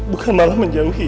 bukan malah menjangkiti dia